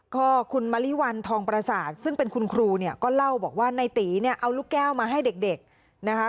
ก็คุณมะลิวันทองประสาทซึ่งเป็นคุณครูเนี่ยก็เล่าบอกว่าในตีเนี่ยเอาลูกแก้วมาให้เด็กนะคะ